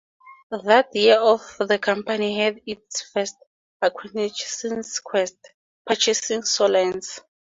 That year the company had its first acquisition since Quest, purchasing Soliance.